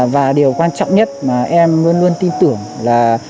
và điều quan trọng nhất mà em luôn luôn tin tưởng là